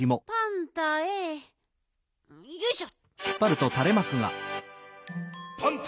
よいしょ！